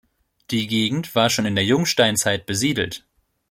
Die Gegend war schon in der Jungsteinzeit besiedelt.